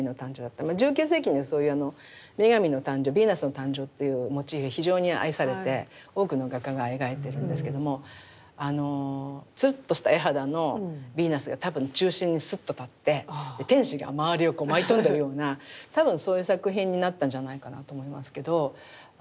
１９世紀にそういう女神の誕生ヴィーナスの誕生というモチーフは非常に愛されて多くの画家が描いてるんですけどもつるっとした絵肌のヴィーナスが多分中心にすっと立って天使が周りを舞い飛んでるような多分そういう作品になったんじゃないかなと思いますけど。